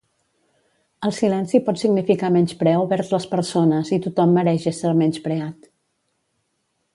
El silenci pot significar menyspreu vers les persones i tothom mereix ésser menyspreat